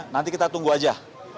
nanti kita tunggu aja